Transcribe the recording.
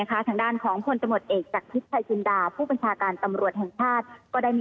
ทางด้านของคนตำรวจเอกจากพิษไทยจินดาผู้บัญชาการตำรวจแห่งชาติ